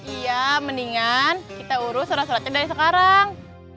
iya mendingan kita urus rata rata dari sekarang